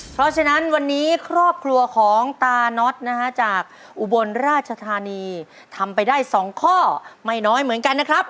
เพราะฉะนั้นวันนี้ครอบครัวของตาน็อตนะฮะจากอุบลราชธานีทำไปได้๒ข้อไม่น้อยเหมือนกันนะครับ